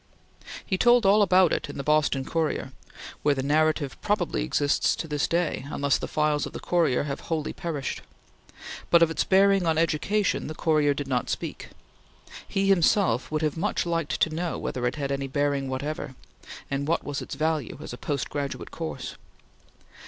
He told all about it to the Boston Courier; where the narrative probably exists to this day, unless the files of the Courier have wholly perished; but of its bearing on education the Courier did not speak. He himself would have much liked to know whether it had any bearing whatever, and what was its value as a post graduate course.